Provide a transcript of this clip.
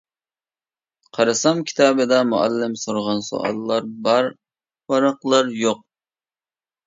قارىسام، كىتابىدا مۇئەللىم سورىغان سوئاللار بار ۋاراقلار يوق.